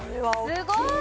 すごーい